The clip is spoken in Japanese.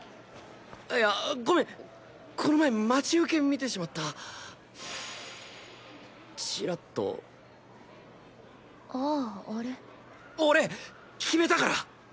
イヤゴメンこの前待ち受け見てしまったチラッとあああれ俺決めたから。